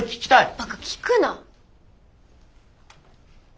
バカ聞くな。